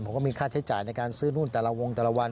ผมก็มีค่าใช้จ่ายในการซื้อนู่นแต่ละวงแต่ละวัน